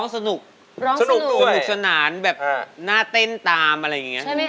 อยู่ตามต้นตรวย